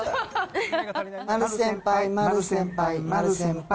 丸先輩、丸先輩、丸先輩。